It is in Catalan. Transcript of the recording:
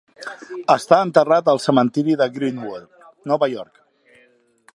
Està enterrat al cementiri de Greenwood, Nova York.